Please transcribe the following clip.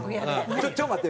ちょっと待って。